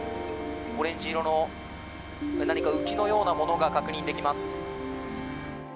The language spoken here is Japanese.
オレンジ色の何か浮きのようなものが確認できます。